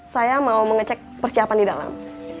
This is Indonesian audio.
saya mau mengecek persiapan di dalam